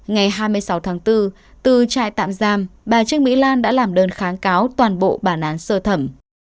ngày hai mươi sáu tháng bốn từ trại tạm giam bà trương mỹ lan đã làm đơn kháng cáo toàn bộ bản án sơ thẩm